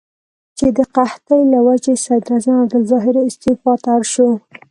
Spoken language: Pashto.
چې د قحطۍ له وجې صدراعظم عبدالظاهر استعفا ته اړ شو.